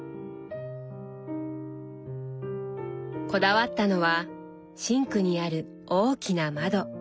こだわったのはシンクにある大きな窓。